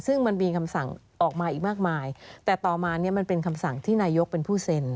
ซึ่งมันมีคำสั่งออกมาอีกมากมายแต่ต่อมาเนี่ยมันเป็นคำสั่งที่นายกเป็นผู้เซ็น